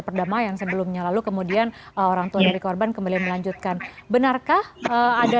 perdamaian sebelumnya lalu kemudian orangtua dari korban kembali melanjutkan benarkah ada